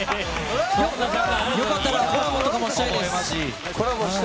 よかったらコラボとかもしたいです！